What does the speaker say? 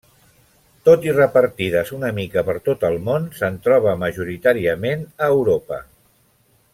Tot i repartides una mica per tot el món, se'n troba majoritàriament a Europa.